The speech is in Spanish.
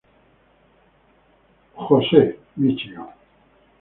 Joseph, Míchigan.